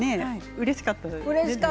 うれしかったですよ。